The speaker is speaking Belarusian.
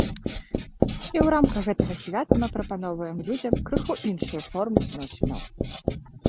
І ў рамках гэтага свята мы прапаноўваем людзям крыху іншую форму зносінаў.